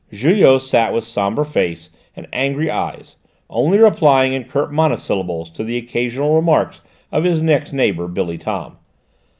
Julot sat with sombre face and angry eyes, only replying in curt monosyllables to the occasional remarks of his next neighbour, Billy Tom.